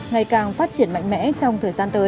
ngày càng phát triển mạnh mẽ trong thời gian tới